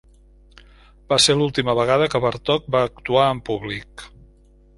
Va ser l'última vegada que Bartók va actuar en públic.